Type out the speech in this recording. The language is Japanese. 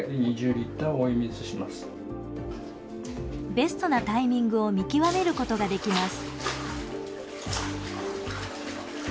ベストなタイミングを見極めることができます。